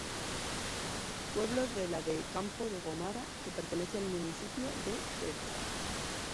Pueblo de la de Campo de Gómara que pertenece al municipio de Deza.